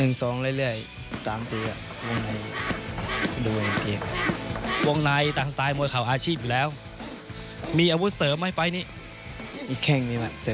ก็๑๒เรื่อย๓๔วงในดูเองเพียง